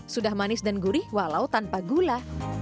sudah manis dan gurih walau tanpa gula